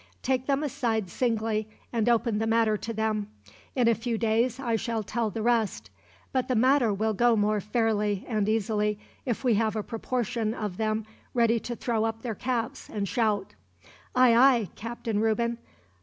Take them aside singly, and open the matter to them. In a few days I shall tell the rest; but the matter will go more fairly, and easily, if we have a proportion of them ready to throw up their caps, and shout." "Aye, aye, Captain Reuben.